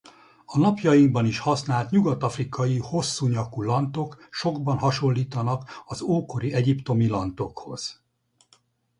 A napjainkban is használt nyugat-afrikai hosszú nyakú lantok sokban hasonlítanak az ókori egyiptomi lantokhoz.